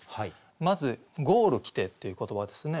まず「ゴール来て」っていう言葉ですね。